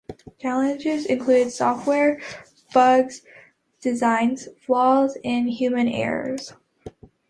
Challenges include software bugs, design flaws, and human errors.